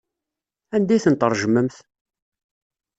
Anda ay tent-tṛejmemt?